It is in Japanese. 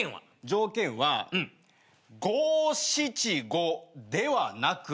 条件は五七五ではなく。